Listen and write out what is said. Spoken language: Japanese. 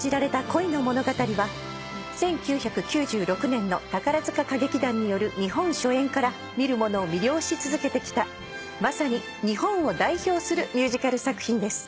［１９９６年の宝塚歌劇団による日本初演から見る者を魅了し続けてきたまさに日本を代表するミュージカル作品です］